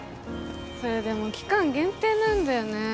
それでも期間限定なんだよね